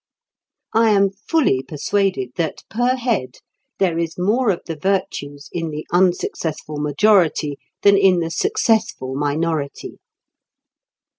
I am fully persuaded that, per head, there is more of the virtues in the unsuccessful majority than in the successful minority.